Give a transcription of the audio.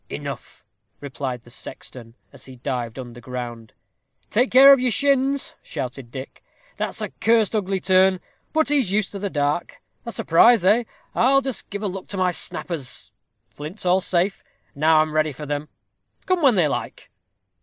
"Enough," replied the sexton, as he dived under ground. "Take care of your shins," shouted Dick. "That's a cursed ugly turn, but he's used to the dark. A surprise, eh! I'll just give a look to my snappers flints all safe. Now I'm ready for them, come when they like."